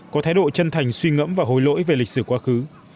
có thái độ chân thành suy ngẫm và hồi lỗi về lịch sử quá khứ